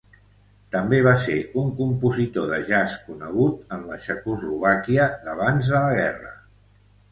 També va ser un compositor de jazz conegut en la Txecoslovàquia d'abans de la guerra.